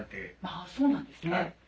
あそうなんですね。